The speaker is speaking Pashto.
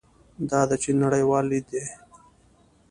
دا د چین نړیوال لید دی.